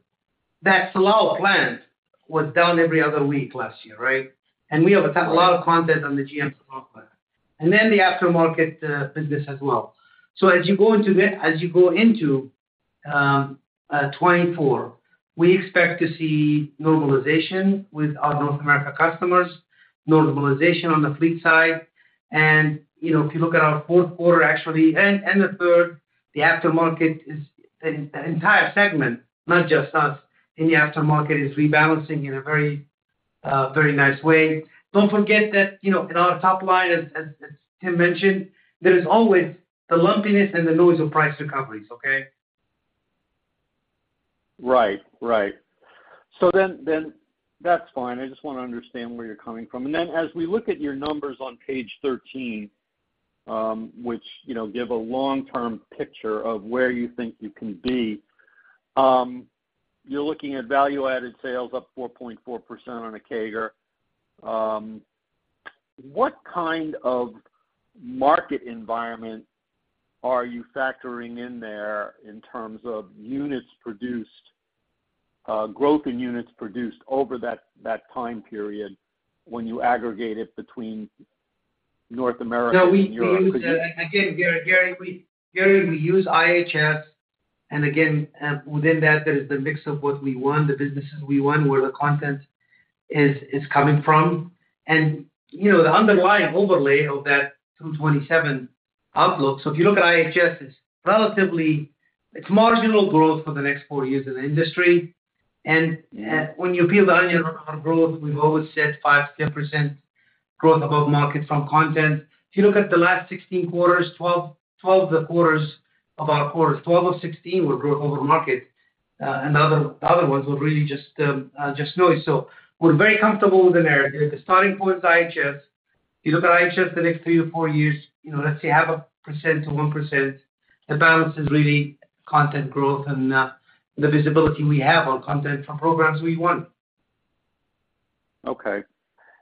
that Silao plant was down every other week last year, right? And we have a lot of content on the GM Silao plant and then the aftermarket business as well. So as you go into 2024, we expect to see normalization with our North America customers, normalization on the fleet side. And if you look at our fourth quarter, actually, and the third, the aftermarket is the entire segment, not just us, in the aftermarket is rebalancing in a very nice way. Don't forget that in our top line, as Tim mentioned, there is always the lumpiness and the noise of price recoveries, okay? Right. Right. So then that's fine. I just want to understand where you're coming from. And then as we look at your numbers on page 13, which give a long-term picture of where you think you can be, you're looking at value-added sales up 4.4% on a CAGR. What kind of market environment are you factoring in there in terms of growth in units produced over that time period when you aggregate it between North America and Europe? Now, again, Gary, we use IHS. And again, within that, there is the mix of what we won, the businesses we won where the content is coming from. And the underlying overlay of that through 2027 outlook so if you look at IHS, it's marginal growth for the next four years in the industry. And when you peel the onion on our growth, we've always said 5%-10% growth above market from content. If you look at the last 16 quarters, 12 of the quarters of our quarters, 12 of 16 were growth over market. And the other ones were really just noise. So we're very comfortable within there. The starting point is IHS. If you look at IHS, the next three to four years, let's say 0.5%-1%, the balance is really content growth and the visibility we have on content from programs we won. Okay.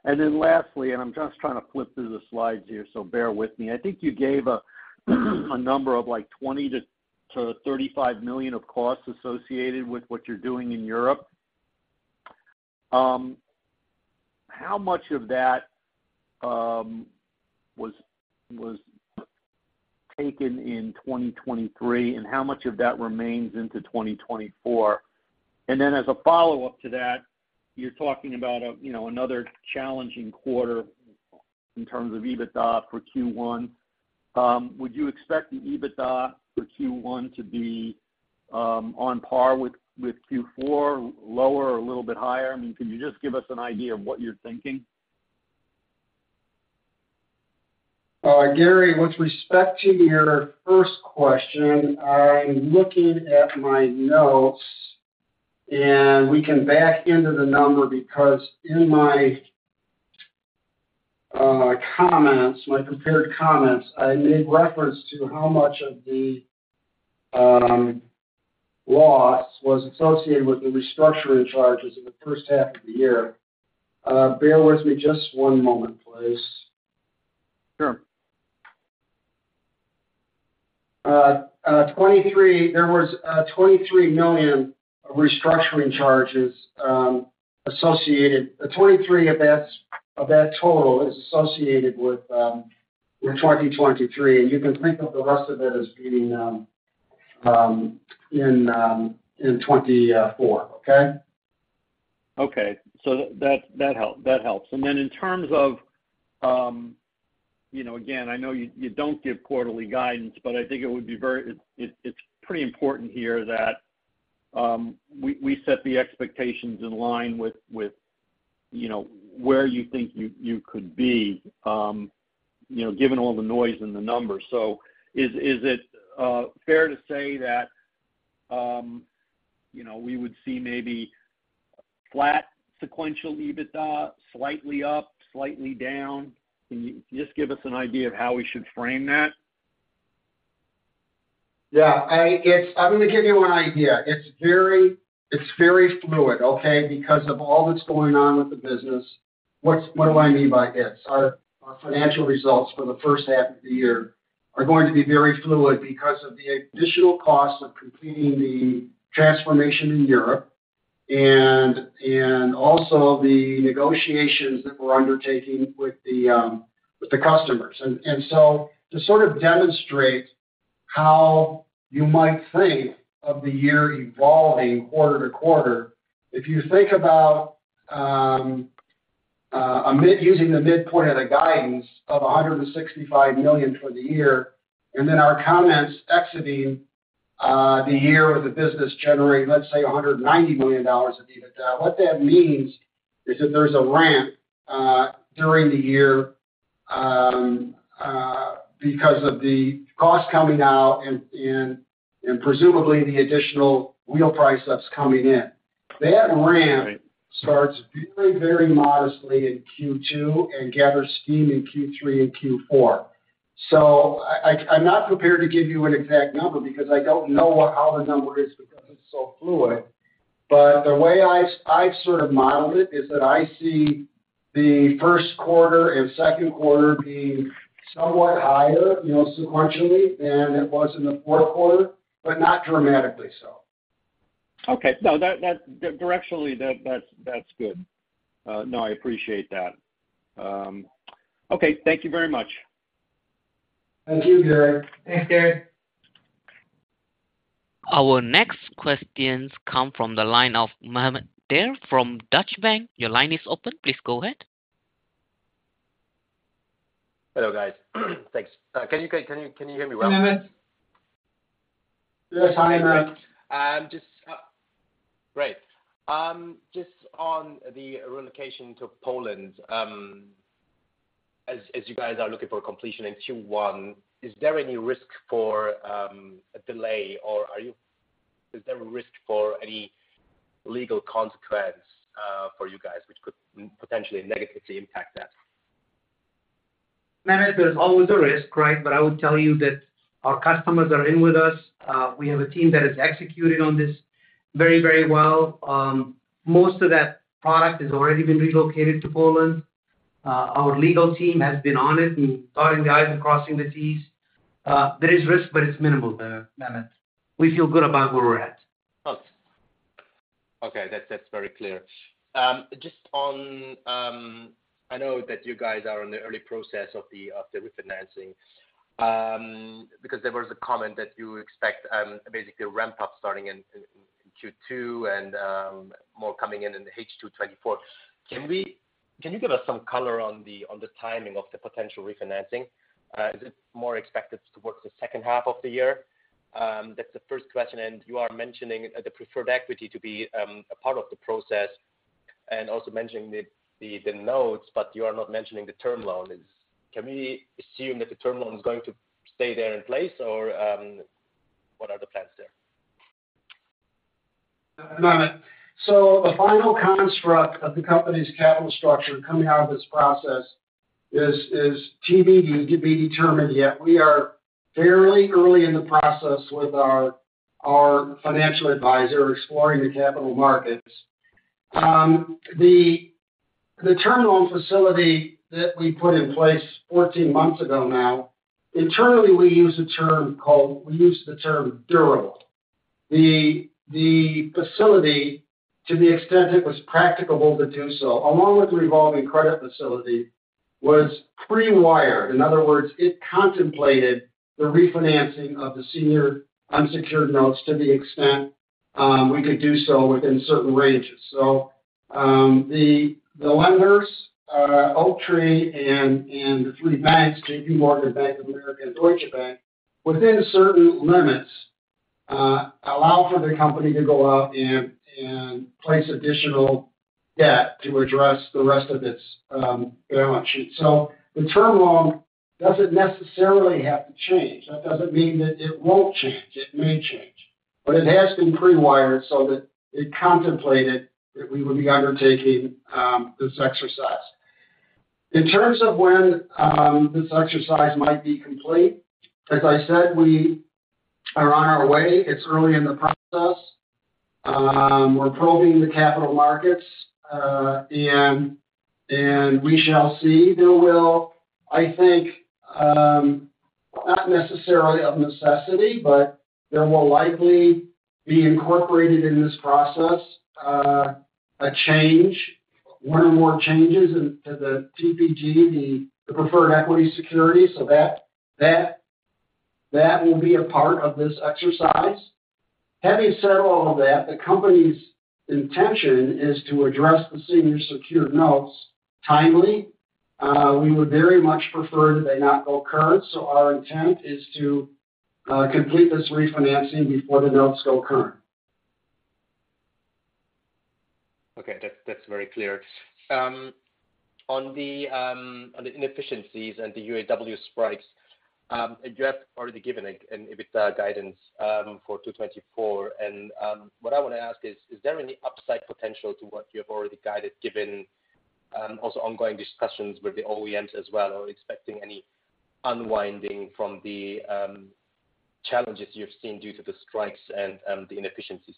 And then lastly, and I'm just trying to flip through the slides here, so bear with me. I think you gave a number of $20 million-$35 million of costs associated with what you're doing in Europe. How much of that was taken in 2023, and how much of that remains into 2024? And then as a follow-up to that, you're talking about another challenging quarter in terms of EBITDA for Q1. Would you expect the EBITDA for Q1 to be on par with Q4, lower or a little bit higher? I mean, can you just give us an idea of what you're thinking? Gary, with respect to your first question, I'm looking at my notes. We can back into the number because in my prepared comments, I made reference to how much of the loss was associated with the restructuring charges in the first half of the year. Bear with me just one moment, please. Sure. There was $23 million of restructuring charges associated. $23 million of that total is associated with 2023. You can think of the rest of it as being in 2024, okay? Okay. So that helps. And then in terms of again, I know you don't give quarterly guidance, but I think it would be very it's pretty important here that we set the expectations in line with where you think you could be given all the noise and the numbers. So is it fair to say that we would see maybe flat sequential EBITDA, slightly up, slightly down? Can you just give us an idea of how we should frame that? Yeah. I'm going to give you an idea. It's very fluid, okay, because of all that's going on with the business. What do I mean by it? Our financial results for the first half of the year are going to be very fluid because of the additional costs of completing the transformation in Europe and also the negotiations that we're undertaking with the customers. And so to sort of demonstrate how you might think of the year evolving quarter-to-quarter, if you think about using the midpoint of the guidance of $165 million for the year and then our comments exiting the year with the business generating, let's say, $190 million of EBITDA, what that means is that there's a ramp during the year because of the cost coming out and presumably the additional wheel price that's coming in. That ramp starts very, very modestly in Q2 and gathers steam in Q3 and Q4. So I'm not prepared to give you an exact number because I don't know how the number is because it's so fluid. But the way I've sort of modeled it is that I see the first quarter and second quarter being somewhat higher sequentially than it was in the fourth quarter, but not dramatically so. Okay. No, directionally, that's good. No, I appreciate that. Okay. Thank you very much. Thank you, Gary. Thanks, Gary. Our next questions come from the line of Mohammad Darr from Deutsche Bank. Your line is open. Please go ahead. Hello, guys. Thanks. Can you hear me well? Mohammed? Yes, I am. Great. Just on the relocation to Poland, as you guys are looking for completion in Q1, is there any risk for a delay, or is there a risk for any legal consequence for you guys which could potentially negatively impact that? Mehmet, there's always a risk, right? But I would tell you that our customers are in with us. We have a team that is executing on this very, very well. Most of that product has already been relocated to Poland. Our legal team has been on it and dotting the i's and crossing the t's. There is risk, but it's minimal, Mehmet. We feel good about where we're at. Okay. That's very clear. I know that you guys are in the early process of the refinancing because there was a comment that you expect basically a ramp-up starting in Q2 and more coming in in H2 2024. Can you give us some color on the timing of the potential refinancing? Is it more expected towards the second half of the year? That's the first question. And you are mentioning the preferred equity to be a part of the process and also mentioning the notes, but you are not mentioning the term loan. Can we assume that the term loan is going to stay there in place, or what are the plans there? Mehmet, so the final construct of the company's capital structure coming out of this process is TBD to be determined yet. We are fairly early in the process with our financial advisor exploring the capital markets. The term loan facility that we put in place 14 months ago now, internally, we use the term called we use the term durable. The facility, to the extent it was practicable to do so, along with the revolving credit facility, was prewired. In other words, it contemplated the refinancing of the senior unsecured notes to the extent we could do so within certain ranges. So the lenders, Oaktree and the three banks, J.P. Morgan, Bank of America and Deutsche Bank, within certain limits, allow for the company to go out and place additional debt to address the rest of its balance sheet. So the term loan doesn't necessarily have to change. That doesn't mean that it won't change. It may change. But it has been prewired so that it contemplated that we would be undertaking this exercise. In terms of when this exercise might be complete, as I said, we are on our way. It's early in the process. We're probing the capital markets. And we shall see. There will, I think, not necessarily of necessity, but there will likely be incorporated in this process a change, one or more changes to the TPG, the preferred equity security. So that will be a part of this exercise. Having said all of that, the company's intention is to address the senior secured notes timely. We would very much prefer that they not go current. So our intent is to complete this refinancing before the notes go current. Okay. That's very clear. On the inefficiencies and the UAW strikes, you have already given an EBITDA guidance for 2024. And what I want to ask is, is there any upside potential to what you have already guided given also ongoing discussions with the OEMs as well? Are we expecting any unwinding from the challenges you've seen due to the strikes and the inefficiencies?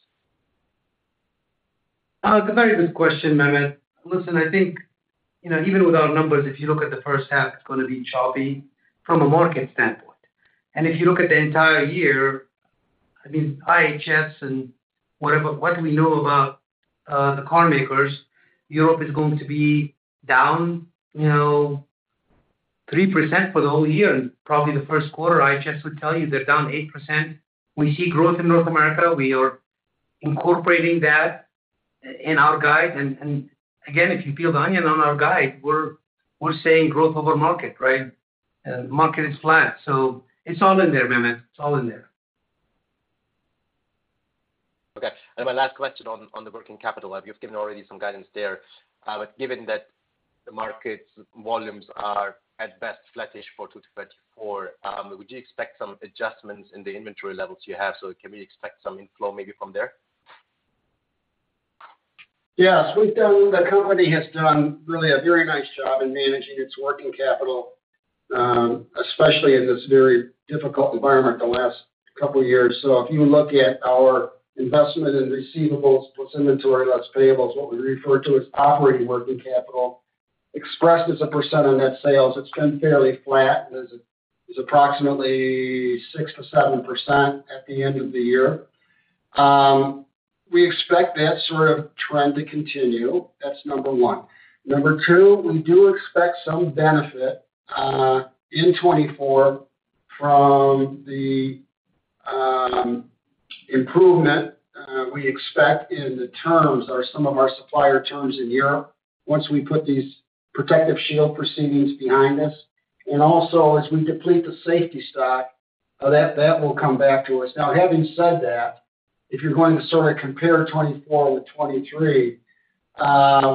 That's a very good question, Mehmet. Listen, I think even with our numbers, if you look at the first half, it's going to be choppy from a market standpoint. And if you look at the entire year, I mean, IHS and what we know about the carmakers, Europe is going to be down 3% for the whole year. And probably the first quarter, IHS would tell you they're down 8%. We see growth in North America. We are incorporating that in our guide. And again, if you peel the onion on our guide, we're saying growth over market, right? And the market is flat. So it's all in there, Mehmet. It's all in there. Okay. And my last question on the working capital. You've given already some guidance there. But given that the market volumes are at best flattish for 2024, would you expect some adjustments in the inventory levels you have? So can we expect some inflow maybe from there? Yes. The company has done really a very nice job in managing its working capital, especially in this very difficult environment the last couple of years. So if you look at our investment in receivables plus inventory less payables, what we refer to as operating working capital, expressed as a percent on net sales, it's been fairly flat and is approximately 6%-7% at the end of the year. We expect that sort of trend to continue. That's one. Two, we do expect some benefit in 2024 from the improvement we expect in the terms are some of our supplier terms in Europe once we put these Protective shield proceedings behind us. And also, as we deplete the safety stock, that will come back to us. Now, having said that, if you're going to sort of compare 2024 with 2023,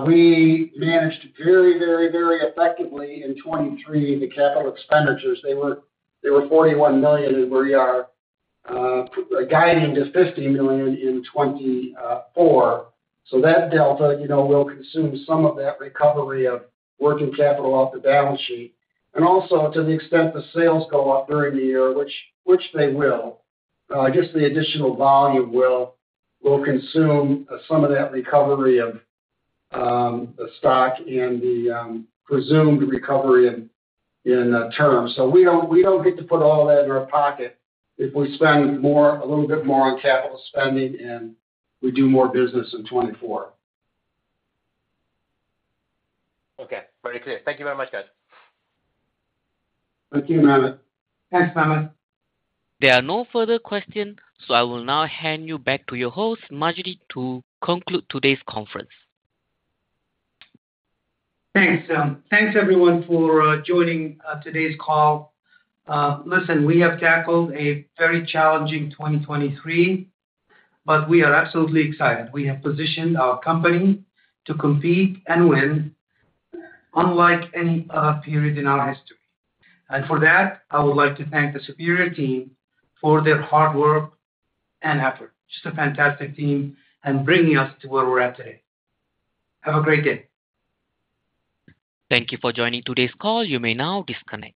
we managed very, very, very effectively in 2023 the capital expenditures. They were $41 million in 2023, where we are guiding to $50 million in 2024. So that delta will consume some of that recovery of working capital off the balance sheet. And also, to the extent the sales go up during the year, which they will, just the additional volume will consume some of that recovery of the stock and the presumed recovery in terms. So we don't get to put all that in our pocket if we spend a little bit more on capital spending and we do more business in 2024. Okay. Very clear. Thank you very much, guys. Thank you, Mehmet. Thanks, Mohammed. There are no further questions, so I will now hand you back to your host, Majdi, to conclude today's conference. Thanks, John. Thanks, everyone, for joining today's call. Listen, we have tackled a very challenging 2023, but we are absolutely excited. We have positioned our company to compete and win unlike any other period in our history. And for that, I would like to thank the Superior team for their hard work and effort. Just a fantastic team in bringing us to where we're at today. Have a great day. Thank you for joining today's call. You may now disconnect.